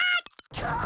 くっ！